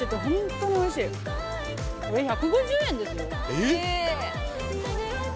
えっ！